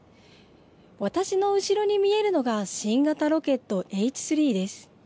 私の後ろに見えるのが新型ロケットＨ３です。